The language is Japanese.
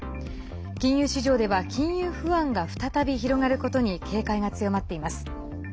金融市場では金融不安が再び広がることに警戒が強まっています。